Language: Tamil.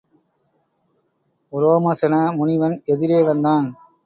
உரோமசன முனிவன் எதிரே வந்தான்.